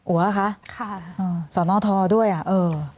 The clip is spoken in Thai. อัลว่าคะสอนอธโทรด้วยเอิ่ม